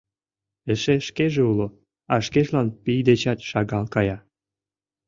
Эше шкеже уло, а шкежлан пий дечат шагал кая.